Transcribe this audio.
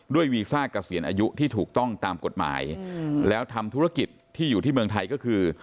วีซ่าเกษียณอายุที่ถูกต้องตามกฎหมายแล้วทำธุรกิจที่อยู่ที่เมืองไทยก็คือ